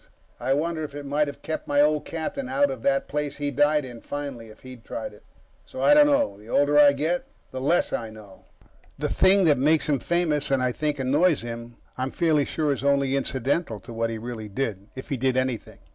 I wonder if it mightn't have kept my old captain out of that place he died in, finally, if he'd tried it. So, I don't know. The older I get, the less I know. The thing people remember the stoker for the thing that makes him famous, and, I think, annoys him I'm fairly sure is only incidental to what he really did. If he did anything.